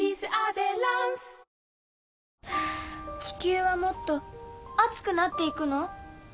地球はもっと熱くなっていくの？